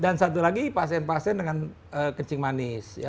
dan satu lagi pasien pasien dengan kencing manis